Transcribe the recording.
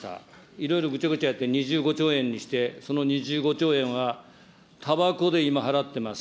いろいろぐちゃぐちゃやって、２５兆円にして、その２５兆円は、たばこで今払ってます。